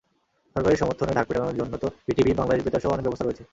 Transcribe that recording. সরকারের সমর্থনে ঢাক পেটানোর জন্য তো বিটিভি, বাংলাদেশ বেতারসহ অনেক ব্যবস্থা রয়েছে।